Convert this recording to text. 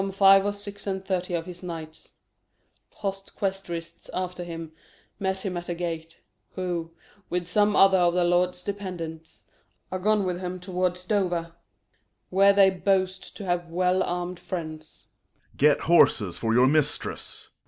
Some five or six and thirty of his knights, Hot questrists after him, met him at gate; Who, with some other of the lord's dependants, Are gone with him towards Dover, where they boast To have well armed friends. Corn. Get horses for your mistress.